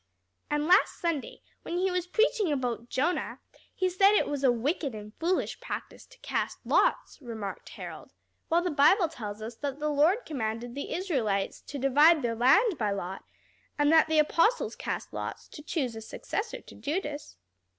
"And last Sunday, when he was preaching about Jonah, he said it was a wicked and foolish practice to cast lots," remarked Harold, "while the Bible tells us that the Lord commanded the Israelites to divide their land by lot, and that the apostles cast lots to choose a successor to Judas."